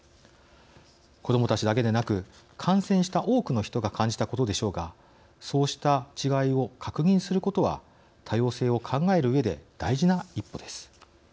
子どもたちだけでなく観戦した多くの人が感じたことでしょうがそうした違いを確認することは多様性を考えるうえで大事な一歩です。